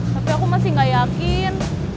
tapi aku masih gak yakin